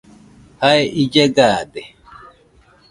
Jae ille gaade.